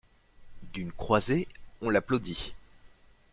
D'une croisée, on l'applaudit.